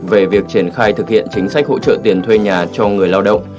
về việc triển khai thực hiện chính sách hỗ trợ tiền thuê nhà cho người lao động